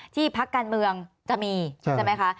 พักการเมืองจะมีใช่ไหมคะ